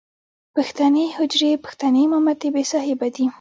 پښتنې حجرې، پښتنې مامتې بې صاحبه دي.